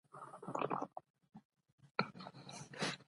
ستا په پانوس کي به مي شپه وای، نصیب نه منلم